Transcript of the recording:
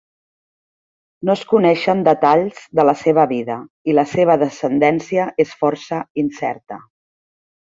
No es coneixen detalls de la seva vida i la seva descendència és força incerta.